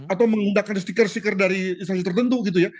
atau menggunakan stiker stiker dari instansi tertentu gitu ya